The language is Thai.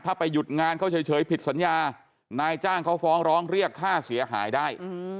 ถ้าไปหยุดงานเขาเฉยผิดสัญญานายจ้างเขาฟ้องร้องเรียกค่าเสียหายได้